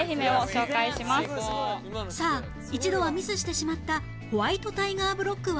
さあ一度はミスしてしまったホワイトタイガーブロックは